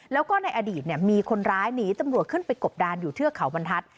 แล้วก็ในอดีตมีคนร้ายหนีตำรวจขึ้นไปกบดานอยู่เทือกเขาบรรทัศน์